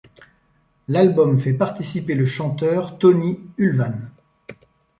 L'album fait participer le chanteur Tony Ulvan.